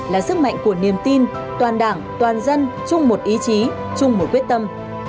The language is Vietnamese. là sức mạnh của niềm tin toàn đảng toàn dân chung một ý chí chung một quyết tâm